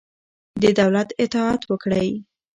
د دولت اطاعت وکړئ.